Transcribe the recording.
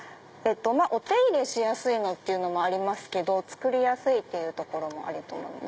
お手入れしやすいっていうのもありますけど作りやすいっていうところもあると思います。